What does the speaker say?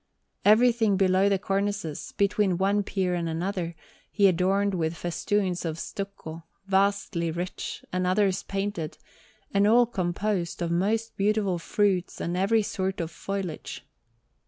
Everything below the cornices, between one pier and another, he adorned with festoons of stucco, vastly rich, and others painted, and all composed of most beautiful fruits and every sort of foliage.